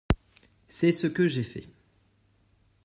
C’est ce que j’ai fait.